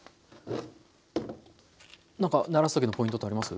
何かならすときのポイントってあります？